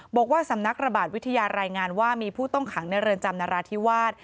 บอกว่าสำนักระบาดวิทยารายงานว่ามีผู้ต้องขังในเรือนจำนราธิวาส